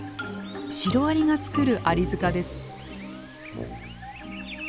シロアリが作るアリ塚です。